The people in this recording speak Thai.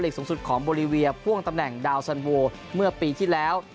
สูงสุดของโบรีเวียพ่วงตำแหน่งดาวสันโวเมื่อปีที่แล้ว